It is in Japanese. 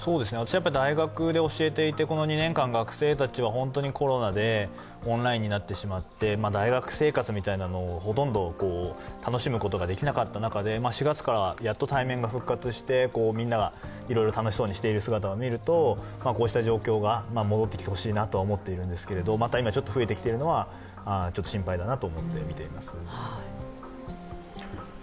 大学で教えていて、この２年間学生たちはコロナでオンラインになってしまって大学生活みたいなのをほとんど楽しむことができなかった中で、４月からやっと対面が復活して、みんながいろいろ楽しそうにしている姿を見るとこうした状況が戻ってきてほしいなとは思っているんですけれども、また今ちょっと増えてきているのは心配だなと思ってみています。